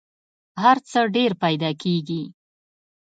هر څه ډېر پیدا کېږي .